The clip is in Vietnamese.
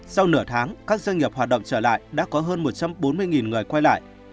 sau nửa tháng các doanh nghiệp hoạt động trở lại đã có hơn một trăm bốn mươi người quay lại